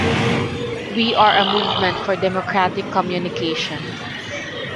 We are a movement for democratic communication.